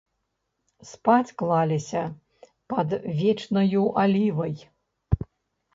Спаць клаліся пад вечнаю алівай.